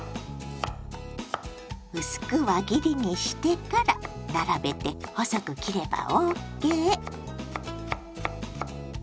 薄く輪切りにしてから並べて細く切ればＯＫ。